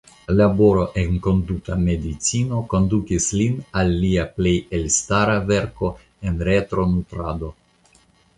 Laboro en konduta medicino kondukis lin al lia plej elstara verko en retronutrado.